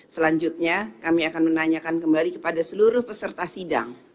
selanjutnya kami akan menanyakan kembali kepada seluruh peserta sidang